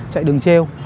chạy đường treo